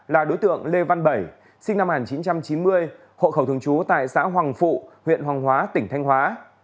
là đối tượng lê văn bảy sinh năm một nghìn chín trăm chín mươi hộ khẩu thường trú tại xã hoàng phụ huyện hoàng hóa tỉnh thanh hóa